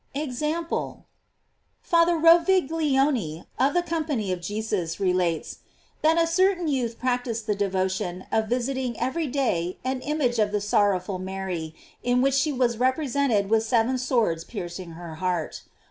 EXAMPLE. Father Roviglione, of the Company of Jesus, relates,* that a certain youth practised the de votion of visiting every day an image of the sor rowful Mary, in which she was represented with seven swords piercing her heart.